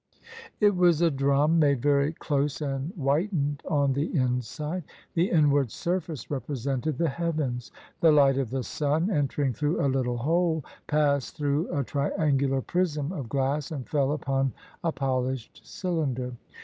It was a drum made very close and whitened on the in side. The inward surface represented the heavens, the light of the sun entering through a little hole passed through a triangular prism of glass and fell upon a pol ished cylinder.